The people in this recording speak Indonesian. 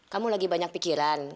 kamu lagi banyak pikiran